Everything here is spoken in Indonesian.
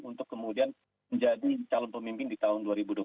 untuk kemudian menjadi calon pemimpin di tahun dua ribu dua puluh